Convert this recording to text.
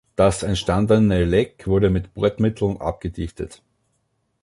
Das entstandene Leck wurde mit Bordmitteln abgedichtet.